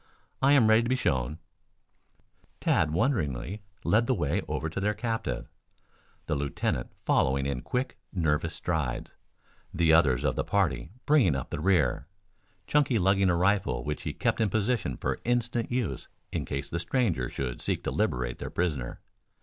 I am ready to be shown." Tad wonderingly led the way over to their captive, the lieutenant following in quick, nervous strides, the others of the party bringing up the rear, Chunky lugging a rifle which he kept in position for instant use in case the stranger should seek to liberate their prisoner.